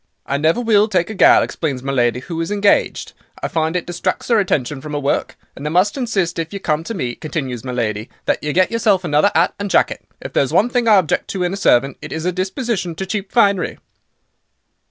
"'I never will take a gal,' explains my lady, 'who is engaged. I find it distracts 'er attention from 'er work. And I must insist if you come to me,' continues my lady, 'that you get yourself another 'at and jacket. If there is one thing I object to in a servant it is a disposition to cheap finery.